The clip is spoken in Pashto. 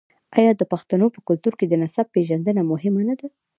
آیا د پښتنو په کلتور کې د نسب پیژندنه مهمه نه ده؟